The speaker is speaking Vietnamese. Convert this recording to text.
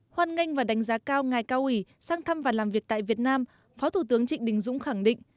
hoan nghênh và đánh giá cao ngài cao ủy sang thăm và làm việc tại việt nam phó thủ tướng trịnh đình dũng khẳng định